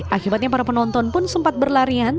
akibatnya para penonton pun sempat berlarian